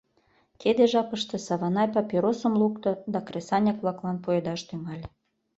Тиде жапыште Саванай папиросым лукто да кресаньык-влаклан пуэдаш тӱҥале.